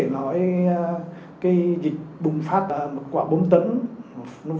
nói về dịch bùng phát qua bốn tấn